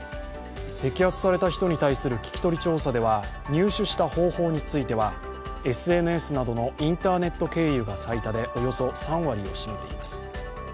摘発された人に対する聞き取り調査では入手した方法についてはＳＮＳなどのインターネット経由が最多でおよそ３割を占めています。